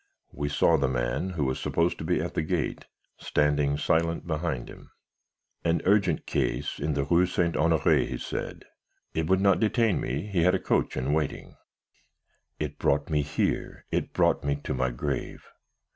we saw the man, who was supposed to be at the gate, standing silent behind him. "'An urgent case in the Rue St. Honoré,' he said. It would not detain me, he had a coach in waiting. "It brought me here, it brought me to my grave.